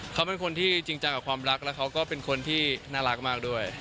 เขาเป็นคนที่จริงจังกับความรักแล้วเขาก็เป็นคนที่น่ารักมากด้วย